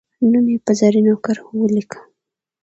نوم یې په زرینو کرښو ولیکه.